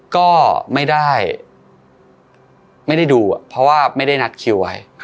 ก็ไม่ได้ดูเพราะว่าไม่ได้นัดคิวไว้